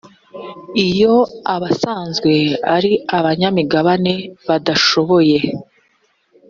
iyo abasanzwe ari abanyamigabane badashoboye